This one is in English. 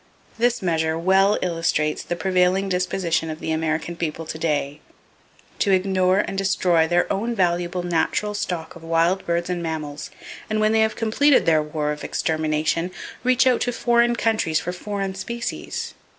This measure well illustrates the prevailing disposition of the American people to day,—to ignore and destroy their own valuable natural stock of wild birds and mammals, and when they have completed their war of extermination, reach out to foreign countries for foreign species.